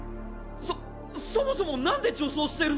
そそもそも何で女装してるの？